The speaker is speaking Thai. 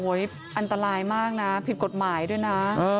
อันตรายมากนะผิดกฎหมายด้วยนะ